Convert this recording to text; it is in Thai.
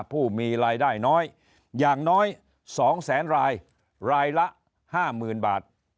ผู้มีรายได้น้อยอย่างน้อย๒แสนรายรายละ๕๐๐๐บาท